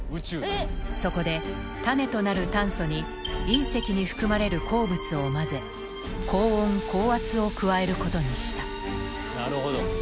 そこで種となる炭素に隕石に含まれる鉱物を混ぜ高温・高圧を加えることにした。